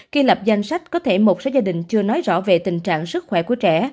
khi lập danh sách có thể một số gia đình chưa nói rõ về tình trạng sức khỏe của trẻ